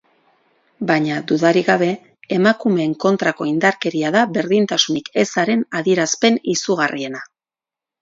Baina, dudarik gabe, emakumeen kontrako indarkeria da berdintasunik ezaren adierazpen izugarriena.